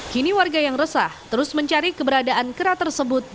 kini warga yang resah terus mencari keberadaan kera tersebut